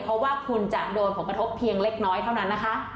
เพราะว่าคุณจะโดนผลกระทบเพียงเล็กน้อยเท่านั้นนะคะ